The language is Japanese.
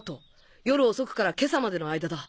夜遅くから今朝までの間だ。